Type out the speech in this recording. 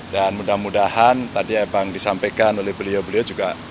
dan mudah mudahan tadi emang disampaikan oleh beliau beliau juga